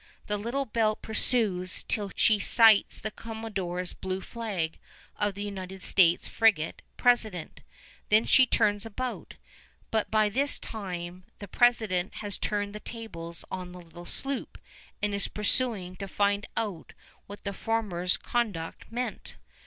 The Little Belt pursues till she sights the commodore's blue flag of the United States frigate President, then she turns about; but by this time the President has turned the tables on the little sloop, and is pursuing to find out what the former's conduct meant.